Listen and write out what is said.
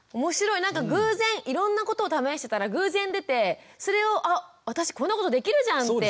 なんか偶然いろんなことを試してたら偶然出てそれをあ私こんなことできるじゃんってやってるっていう。